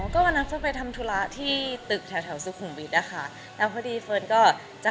อย่างไรวันนั้นทำความภาพของคุณ